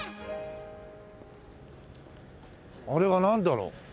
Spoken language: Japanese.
あれはなんだろう？